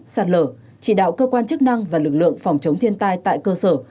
sạt lở chỉ đạo cơ quan chức năng và lực lượng phòng chống thiên tai tại cơ sở